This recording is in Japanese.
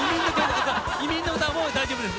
「移民の歌」はもう大丈夫です。